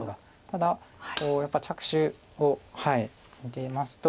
ただやっぱ着手を見ていますと。